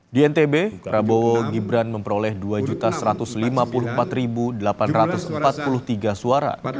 di ntb prabowo gibran memperoleh dua satu ratus lima puluh empat delapan ratus empat puluh tiga suara